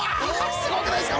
すごくないですか？